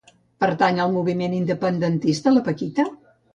Pertany al moviment independentista la Paquita?